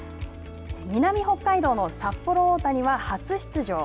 南北海道の札幌大谷は初出場。